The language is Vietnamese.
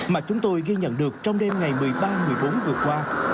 mà chúng tôi ghi nhận được trong đêm ngày một mươi ba một mươi bốn vừa qua